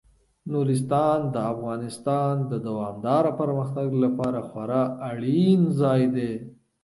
نورستان د افغانستان د دوامداره پرمختګ لپاره خورا اړین ځای دی.